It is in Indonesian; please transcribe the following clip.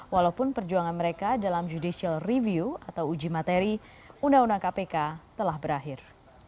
walaupun perjuangan mereka dalam judicial review atau uji materi undang undang kpk telah berakhir